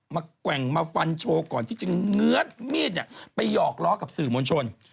แกว่งมาฟันโชว์ก่อนที่จะเงื้อนมีดไปหยอกล้อกับสื่อมวลชน